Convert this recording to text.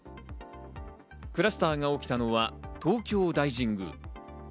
クラスターが起きたのは東京大神宮。